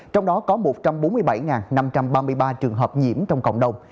trong đó có một trăm bốn mươi bảy năm trăm ba mươi ba trường hợp nhiễm trong cộng đồng